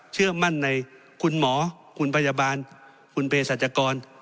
เชื่อมั่นในคุณหมอคุณพยาบาลคุณเพศรัชกร